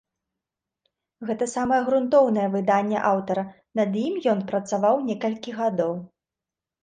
Гэта самае грунтоўнае выданне аўтара, над ім ён працаваў некалькі гадоў.